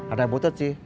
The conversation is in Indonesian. ada yang butut sih